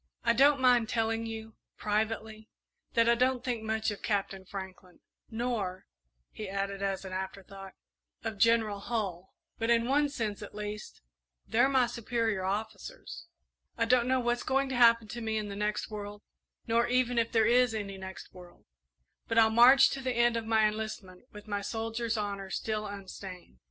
"I don't mind telling you, privately, that I don't think much of Captain Franklin, nor," he added, as an afterthought, "of General Hull; but, in one sense at least, they're my superior officers. I don't know what's going to happen to me in the next world, nor even if there is any next world; but I'll march to the end of my enlistment with my soldier's honour still unstained."